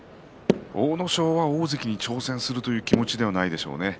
阿武咲は大関に挑戦するという気持ちではないでしょうね。